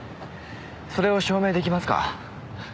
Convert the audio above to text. それを証明出来ますか？